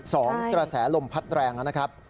สองกระแสลมพัดแรงนะครับ